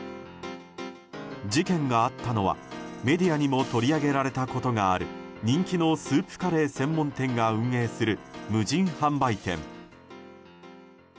事件があったのは、メディアにも取り上げられたことがある人気のスープカレー専門店が運営する無人販売店。